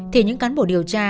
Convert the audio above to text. thì những cán bộ điều tra